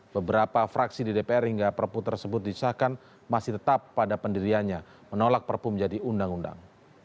beberapa fraksi di dpr hingga perpu tersebut disahkan masih tetap pada pendiriannya menolak perpu menjadi undang undang